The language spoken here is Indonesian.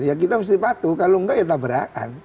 ya kita mesti patuh kalau enggak ya tabrakan